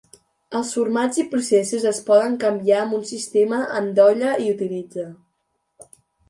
Els formats i processos es poden canviar amb un sistema "endolla i utilitza".